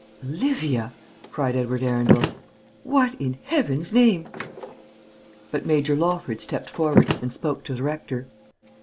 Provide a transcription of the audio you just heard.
"Olivia!" cried Edward Arundel, "what, in Heaven's name " But Major Lawford stepped forward, and spoke to the rector.